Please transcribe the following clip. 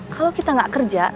kalau kita gak kerja